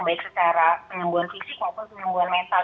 baik secara penyembuhan fisik maupun penyembuhan mental